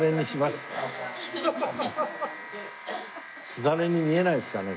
すだれに見えないですかね？